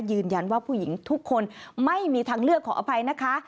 ผู้หญิงทุกคนไม่มีทางเลือกขออภัยนะคะ